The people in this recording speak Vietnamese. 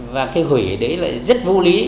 và cái hủy đấy là rất vô lý